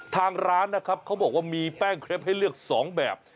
ทางร้านนะครับเขาบอกว่ามีแป้งเคล็บให้เลือก๒แบบ